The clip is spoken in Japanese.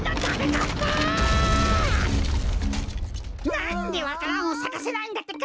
なんでわか蘭をさかせないんだってか！